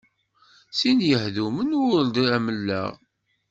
Sin yehdumen ur-d amellaɣ.